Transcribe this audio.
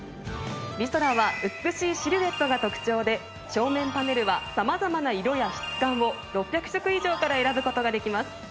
リソラは美しいシルエットが特長で正面パネルは様々な色や質感を６００色以上から選ぶ事ができます。